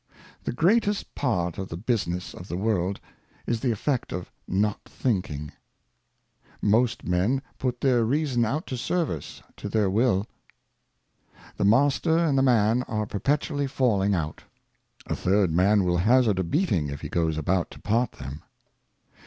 The greatest Part of the Business of the World, is the Effect of not thinking. Reason'^ MOST Men put their Reason out to Service to their Will. sio7i. '^^^ Master and the Man are perpetually falling out. A third Man will hazard a beating, if he goes about to part • them.